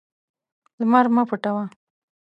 لمر مه پټوه.